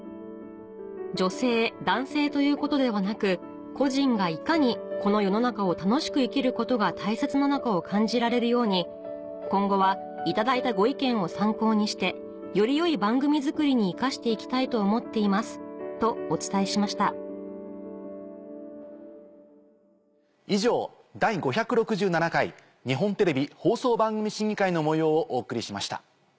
女性男性ということではなく個人がいかにこの世の中を楽しく生きることが大切なのかを感じられるように今後はいただいたご意見を参考にしてより良い番組作りに生かしていきたいと思っています」とお伝えしました以上第５６７回日本テレビ放送番組審議会の模様をお送りしました。